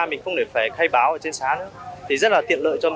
mình không để phải khai báo ở trên xá nữa thì rất là tiện lợi cho mình